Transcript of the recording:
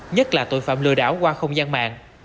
nhất là tội phạm lừa đảo qua không gian mạng